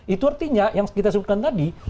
itu artinya yang kita sebutkan tadi